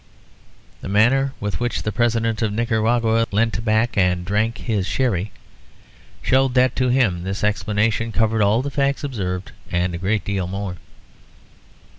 The manner with which the President of Nicaragua leant back and drank his sherry showed that to him this explanation covered all the facts observed and a great deal more.